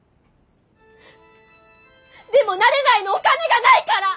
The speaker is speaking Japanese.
でもなれないのお金がないから！